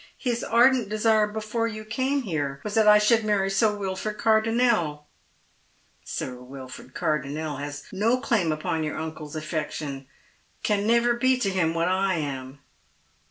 His ardent desire before you came here was that I should marry Sir Wilford Cardonnel." " Sir Wilford Cardonnel has no claim upon your uncle's affec tion — can never be to him what I am."